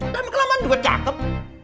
dan kelamaan juga cakep